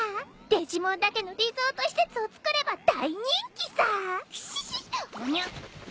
デジモンだけのリゾート施設を造れば大人気さキシシぷにゅ？